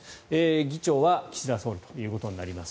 議長は岸田総理ということになります。